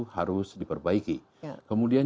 harus diperbaiki kemudian